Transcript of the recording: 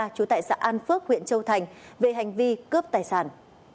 chú tại xã an phước huyện châu thành về hành vi cướp tài sản